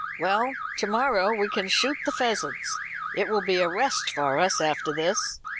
"Well, to morrow we can shoot the pheasants. It will be a rest for us after this."